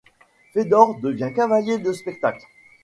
Fédor devient cavalier de spectacle.